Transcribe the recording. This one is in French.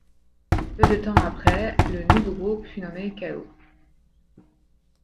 Peu de temps après, le nouveau groupe fut nommé Chaos.